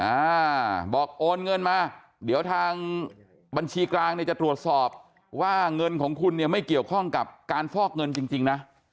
อ่าบอกโอนเงินมาเดี๋ยวทางบัญชีกลางเนี่ยจะตรวจสอบว่าเงินของคุณเนี่ยไม่เกี่ยวข้องกับการฟอกเงินจริงจริงนะ